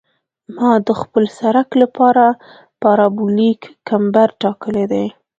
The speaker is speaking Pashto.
ما د خپل سرک لپاره پارابولیک کمبر ټاکلی دی